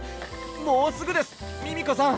もうすぐですミミコさん！